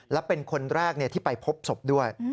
และเป็นคนแรกที่ไปพบศพด้วย